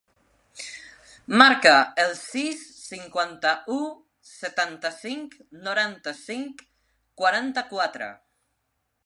Marca el sis, cinquanta-u, setanta-cinc, noranta-cinc, quaranta-quatre.